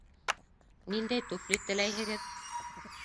Ниндәй туфли теләйһегеҙ?